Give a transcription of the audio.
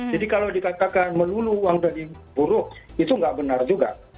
jadi kalau dikatakan melulu uang dari buruk itu tidak benar juga